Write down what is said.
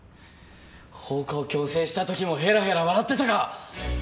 放火を強制した時もヘラヘラ笑ってたか？